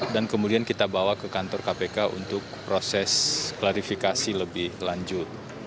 kemudian kita bawa ke kantor kpk untuk proses klarifikasi lebih lanjut